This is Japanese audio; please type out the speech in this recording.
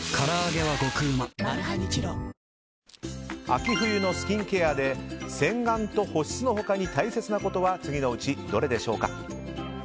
秋冬のスキンケアで洗顔と保湿の他に大切なことは次のうちどれでしょうか。